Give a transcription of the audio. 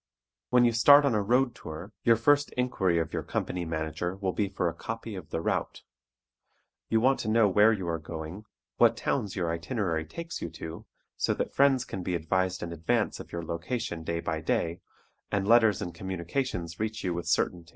When you start on a road tour your first inquiry of your company manager will be for a "copy of the route." You want to know where you are going, what towns your itinerary takes you to, so that friends can be advised in advance of your location day by day, and letters and communications reach you with certainty.